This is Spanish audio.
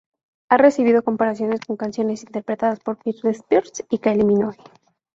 A recibido comparaciones con canciones interpretadas por Britney Spears y Kylie Minogue.